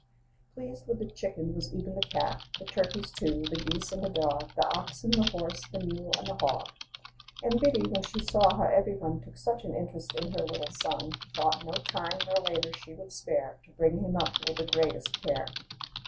Pleased with the chicken was even the cat; The turkeys, too, the geese, and the dog, The oxen, the horse, the mule, and the hog. And Biddy, when she saw how every one Took such interest in her little son, OF CHANTICLEER. 25 Thought no time nor labor she would spare, To bring him up with the greatest care.